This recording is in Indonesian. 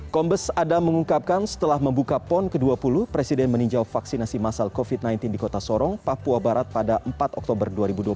kombes adam mengungkapkan setelah membuka pon ke dua puluh presiden meninjau vaksinasi masal covid sembilan belas di kota sorong papua barat pada empat oktober dua ribu dua puluh satu